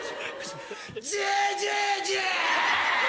じぇじぇじぇ！